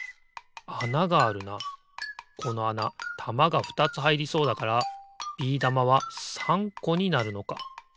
このあなたまがふたつはいりそうだからビー玉は３こになるのか。